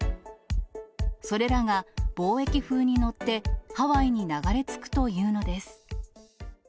それらが貿易風に乗って、ハワイに流れ着くというのです。